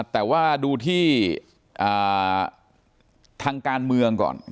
แต่ว่าดูที่ทางการเมืองก่อน